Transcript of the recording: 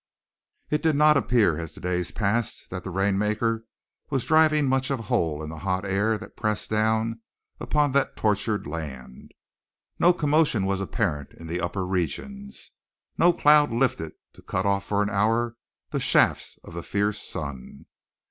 It did not appear, as the days passed, that the rainmaker was driving much of a hole in the hot air that pressed down upon that tortured land. No commotion was apparent in the upper regions, no cloud lifted to cut off for an hour the shafts of the fierce sun.